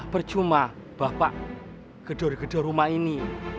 percuma bapak gedor gedor rumah ini